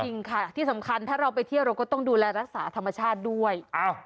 จริงค่ะที่สำคัญถ้าเราไปเที่ยวเราก็ต้องดูแลรักษาธรรมชาติด้วย